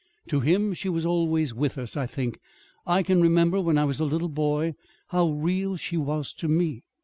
To him she was always with us, I think. I can remember, when I was a little boy, how real she was to me.